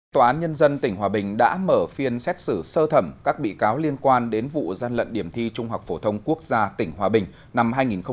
tòa án nhân dân tỉnh hòa bình đã mở phiên xét xử sơ thẩm các bị cáo liên quan đến vụ gian lận điểm thi trung học phổ thông quốc gia tỉnh hòa bình năm hai nghìn một mươi bảy hai nghìn một mươi tám